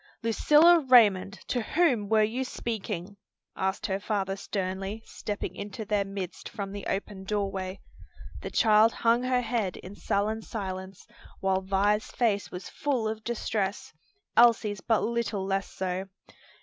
"Lucilla Raymond, to whom were you speaking?" asked her father sternly, stepping into their midst from the open door way. The child hung her head in sullen silence, while Vi's face was full of distress; Elsie's but little less so.